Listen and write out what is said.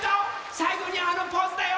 さいごにあのポーズだよ！